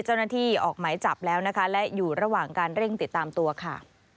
เจ้าหน้าที่ออกหมายจับแล้วนะคะและอยู่ระหว่างการเร่งติดตามตัวค่ะ